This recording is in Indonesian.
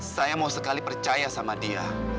saya mau sekali percaya sama dia